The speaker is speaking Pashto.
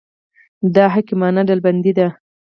دا حکیمانه ډلبندي ده.